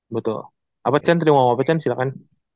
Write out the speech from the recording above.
betul apa chen tadi mau ngomong apa chen silahkan